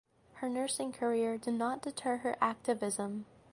Her nursing career did not deter her activism.